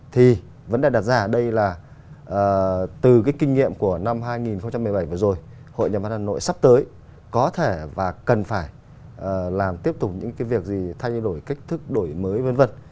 thì vấn đề đặt ra ở đây là từ cái kinh nghiệm của năm hai nghìn một mươi bảy vừa rồi hội nhà văn hà nội sắp tới có thể và cần phải làm tiếp tục những cái việc gì thay đổi cách thức đổi mới v v